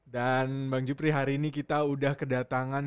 dan bang jepri hari ini kita sudah kedatangan